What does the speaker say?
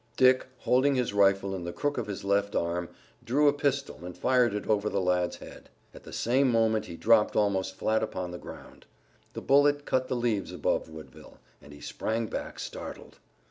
Dick, holding his rifle in the crook of his left arm, drew a pistol and fired it over the lad's head. At the same moment he dropped almost flat upon the ground. The bullet cut the leaves above Woodville and he sprang back, startled.